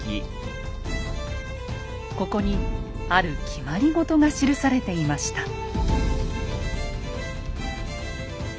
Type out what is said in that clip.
ここにある決まり事が記されていました。